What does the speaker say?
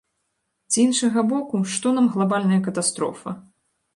З іншага боку, што нам глабальная катастрофа?